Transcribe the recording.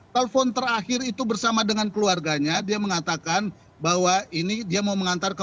telepon terakhir itu bersama dengan keluarganya dia mengatakan bahwa ini dia mau mengantar ke